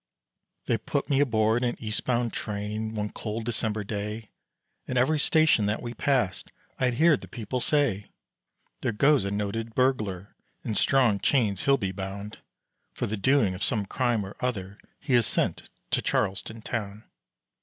They put me aboard an eastbound train one cold December day, And every station that we passed, I'd hear the people say, "There goes a noted burglar, in strong chains he'll be bound, For the doing of some crime or other he is sent to Charleston town."